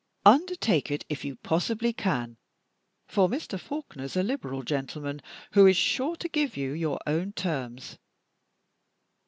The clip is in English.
Undertake it if you possibly can, for Mr. Faulkner's a liberal gentleman, who is sure to give you your own terms."